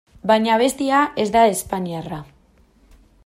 Baina abestia ez da espainiarra.